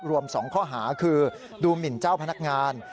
รวม๒ข้อหาคือดูหมินเจ้าพนักงาน